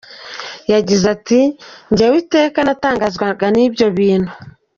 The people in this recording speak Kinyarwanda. Yagize ati “Njyewe iteka natangazwaga n’ibyo bintu.